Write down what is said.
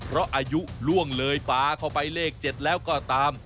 เพราะอายุล่วงเลยฟ้าเข้าไปเลข๗แล้วก็ตาม